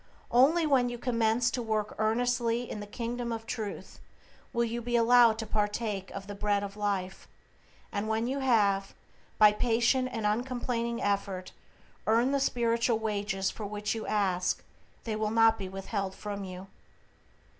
Only when you commence to work earnestly in the Kingdom of Truth will you be allowed to partake of the Bread of Life, and when you have, by patient and uncomplaining effort, earned the spiritual wages for which you ask, they will not be withheld from you.